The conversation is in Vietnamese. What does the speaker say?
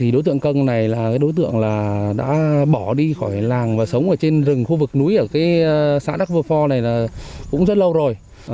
đối tượng cơn này là đối tượng đã bỏ đi khỏi làng và sống trên rừng khu vực núi ở xã đắc vơ phò này cũng rất lâu rồi